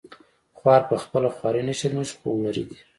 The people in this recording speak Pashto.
خوار په خپله خواري نه شرمیږي هم هنري دی